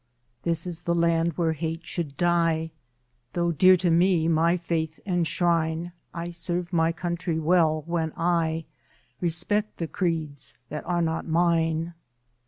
This is the land where hate should die Though dear to me my faith and shrine, I serve my country well when I Respect the creeds that are not mine.